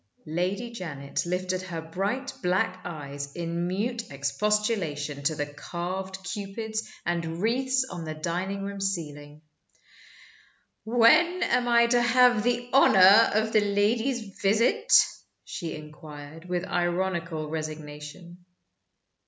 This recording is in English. Lady Janet lifted her bright black eyes in mute expostulation to the carved Cupids and wreaths on the dining room ceiling. "When am I to have the honor of the lady's visit?" she inquired, with ironical resignation.